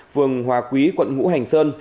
vườn hòa quý quận ngũ hành sơn